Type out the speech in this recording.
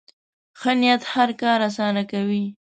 ښه نیت هر کار اسانه کوي.